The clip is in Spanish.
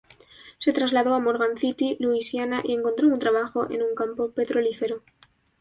Se trasladó a Morgan City, Luisiana, y encontró un trabajo en un campo petrolífero.